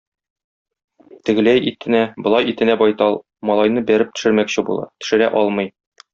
Тегеләй итенә, болай итенә байтал, малайны бәреп төшермәкче була - төшерә алмый.